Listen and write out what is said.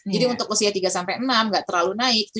jadi untuk usia tiga sampai enam nggak terlalu naik